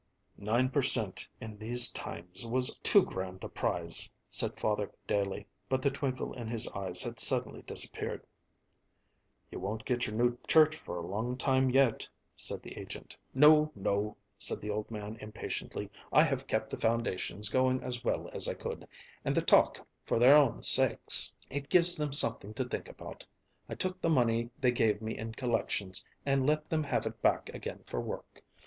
"Nine per cent. in these times was too good a prize," said Father Daley, but the twinkle in his eyes had suddenly disappeared. "You won't get your new church for a long time yet," said the agent. "No, no," said the old man impatiently. "I have kept the foundations going as well as I could, and the talk, for their own sakes. It gives them something to think about. I took the money they gave me in collections and let them have it back again for work.